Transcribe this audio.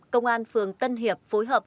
công an phường tân hiệp phối hợp